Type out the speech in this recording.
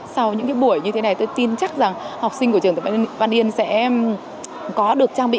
sau những cái buổi như thế này tôi tin chắc rằng học sinh của trường thầy văn yên sẽ có được trang bị